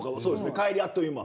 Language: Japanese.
帰りあっという間。